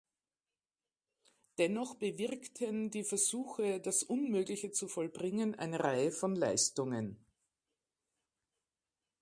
Dennoch bewirkten die Versuche, das Unmögliche zu vollbringen, eine Reihe von Leistungen.